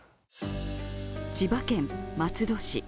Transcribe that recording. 千葉県松戸市。